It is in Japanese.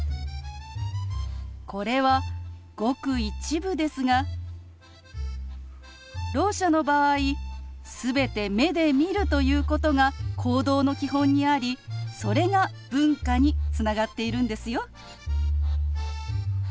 これはごく一部ですがろう者の場合全て目で見るということが行動の基本にありそれが文化につながっているんですよ。